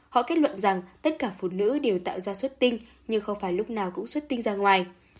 họ kết luận rằng tất cả phụ nữ đều tạo ra xuất tinh nhưng không phải lúc nào cũng xuất tinh ra ngoài